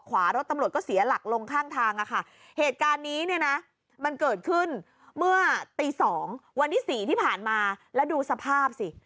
วันที่๔ที่ผ่านมาแล้วดูสภาพสิ